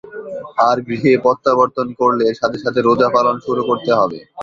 আর গৃহে প্রত্যাবর্তন করলে সাথে সাথে রোজা পালন শুরু করতে হবে।